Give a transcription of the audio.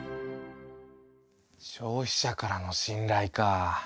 消費者からの信頼かぁ。